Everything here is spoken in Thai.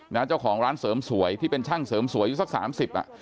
เจ้าของร้านเสริมสวยที่เป็นช่างเสริมสวยอยู่สักสามสิบอ่ะ